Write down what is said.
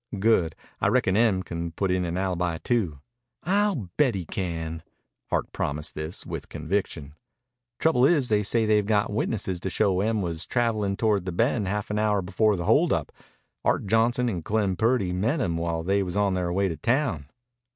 "Good. I reckon Em can put in an alibi too." "I'll bet he can." Hart promised this with conviction. "Trouble is they say they've got witnesses to show Em was travelin' toward the Bend half an hour before the hold up. Art Johnson and Clem Purdy met him while they was on their way to town."